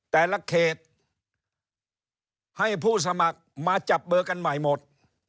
แต่ละเขตให้ผู้สมัครมาจับเบอร์กันใหม่หมด